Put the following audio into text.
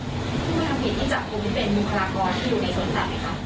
ผู้ก็จะผิดที่จับกลุ่มเป็นมุมพลากรที่อยู่ในสวนสัตว์ไหมครับ